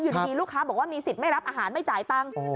ดีลูกค้าบอกว่ามีสิทธิ์ไม่รับอาหารไม่จ่ายตังค์